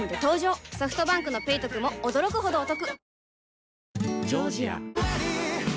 ソフトバンクの「ペイトク」も驚くほどおトク